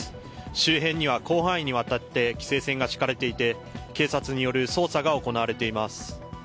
周辺には広範囲にわたって規制線が敷かれていて警察による捜査が行われています。